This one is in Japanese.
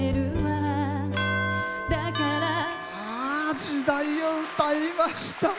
「時代」を歌いました。